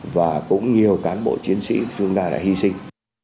và cũng nhiều cán bộ chiến sĩ chúng ta đã hy sinh